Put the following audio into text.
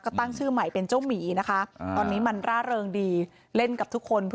ก็ตั้งชื่อใหม่เป็นเจ้าหมีนะคะตอนนี้มันร่าเริงดีเล่นกับทุกคน